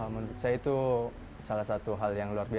menurut saya itu salah satu hal yang luar biasa